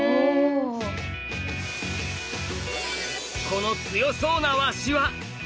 この強そうな鷲は。